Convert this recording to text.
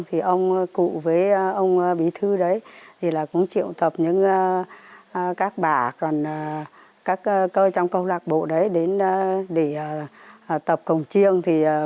thì ông cụ với ông bí thư cũng triệu tập các bà các cơ trong câu lạc bộ đến tập cổng chiêng